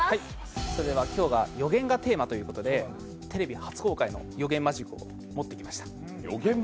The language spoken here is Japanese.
今日は予言がテーマということで、テレビ初公開の予言マジックを持ってきました。